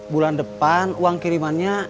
bulan depan uang kirimannya